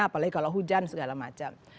apalagi kalau hujan segala macam